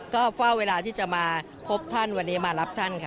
ก็เฝ้าเวลาที่จะมาพบท่านวันนี้มารับท่านค่ะ